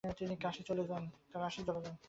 তিনি কাশী চলে যান।